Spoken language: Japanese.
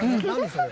それ。